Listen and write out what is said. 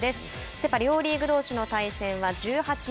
セパ両リーグどうしの対戦は１８日